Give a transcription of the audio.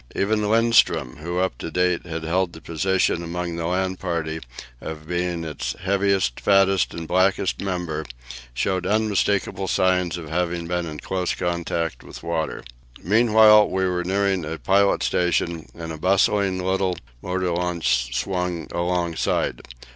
Even Lindström, who up to date had held the position among the land party of being its heaviest, fattest, and blackest member, showed unmistakable signs of having been in close contact with water. Meanwhile we were nearing a pilot station, and a bustling little motor launch swung alongside.